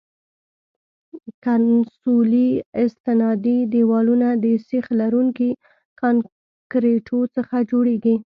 کنسولي استنادي دیوالونه د سیخ لرونکي کانکریټو څخه جوړیږي